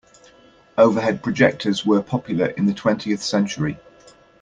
Overhead projectors were popular in the twentieth century.